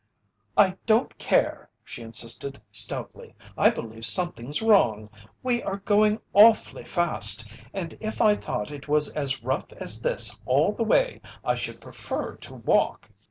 "I don't care," she insisted, stoutly, "I believe something's wrong. We are going awfully fast, and if I thought it was as rough as this all the way I should prefer to walk."